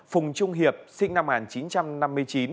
phùng trung hiệp sinh năm một nghìn chín trăm năm mươi chín